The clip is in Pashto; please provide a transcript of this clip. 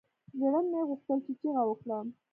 زړه مې غوښتل چې چيغه وکړم.